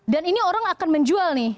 dan ini orang akan menjual nih